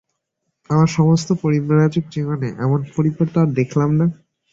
আমার সমস্ত পরিব্রাজক জীবনে এমন পরিবার তো আর দেখলাম না।